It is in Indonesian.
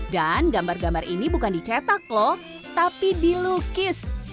dan gambar gambar ini bukan dicetak lho tapi dilukis